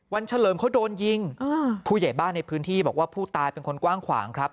เฉลิมเขาโดนยิงผู้ใหญ่บ้านในพื้นที่บอกว่าผู้ตายเป็นคนกว้างขวางครับ